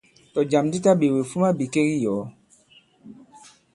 Tɔ̀jàm di taɓēwe, fuma bìkek i yɔ̀ɔ.